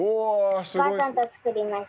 お母さんと作りました。